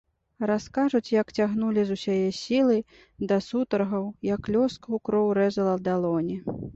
Раскажуць, як цягнулі з усяе сілы, да сутаргаў, як лёска ў кроў рэзала далоні.